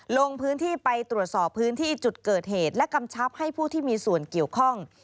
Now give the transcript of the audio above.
ลงพื้นที่ไปตรวจสอบพื้นที่จุดเกิดเหตุและกำชับให้ผู้ที่มีส่วนเกี่ยวข้อง